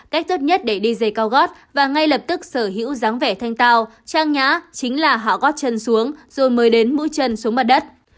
cách tốt nhất để đi giày cao gót và ngay lập tức sở hữu dáng vẻ thanh tào trang nhã chính là hảo gót chân xuống rồi mới đến mũ chân xuống mặt đất